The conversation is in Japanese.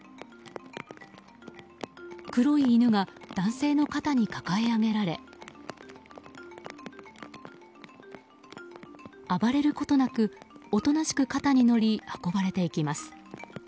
黒い犬が男性の肩に抱え上げられ暴れることなくおとなしく肩に乗り運ばれていきます。